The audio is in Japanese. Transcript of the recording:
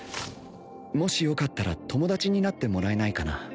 もしよかったら友達になってもらえないかな？